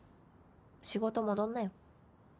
仕事戻んなよ。